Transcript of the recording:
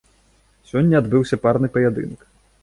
Сёння адбыўся парны паядынак.